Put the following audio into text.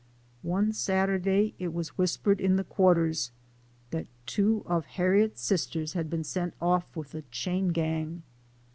One Saturday it was whispered in the quarters that two of Harriet's sisters had been sent off with the chain gang.